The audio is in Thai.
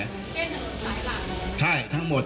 เช่นถนนสายหลักเหรอครับใช่ทั้งหมด